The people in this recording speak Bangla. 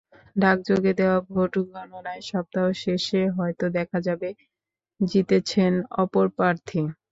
ডাকযোগে দেওয়া ভোট গণনায় সপ্তাহ শেষে হয়তো দেখা যাবে জিতেছেন অপর প্রার্থী।